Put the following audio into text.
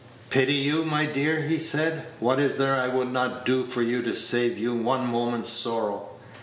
"Pity you, my dear!" he said. "What is there I would not do for you to save you one moment's sorrow?